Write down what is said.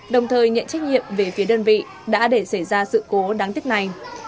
đồng thời nhận trách nhiệm về phía đơn vị đã để xảy ra sự cố đáng tiếc này